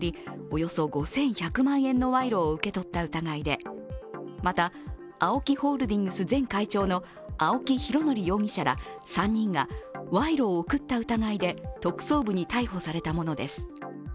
およそ５１００万円の賄賂を受け取った疑いで、またＡＯＫＩホールディングス前会長の青木拡憲容疑者ら３人が賄賂を贈った疑いで特捜部に逮捕されたものです。